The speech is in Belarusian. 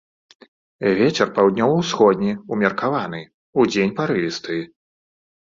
Вецер паўднёва-ўсходні ўмеркаваны, удзень парывісты.